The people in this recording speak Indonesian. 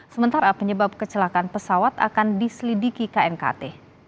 sementara penyebab kecelakaan pesawat akan diselidiki knkt